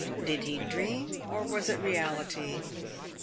Did he dream, or was it reality